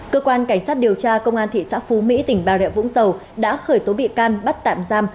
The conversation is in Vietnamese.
cơ quan cảnh sát điều tra công an thị xã phú mỹ tỉnh bà rịa vũng tàu đã khởi tố bị can bắt tạm giam